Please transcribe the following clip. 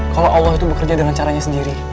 kalau allah itu bekerja dengan caranya sendiri